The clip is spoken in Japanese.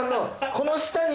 この下に。